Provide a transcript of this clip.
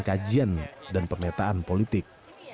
kajian dan pengertaan politik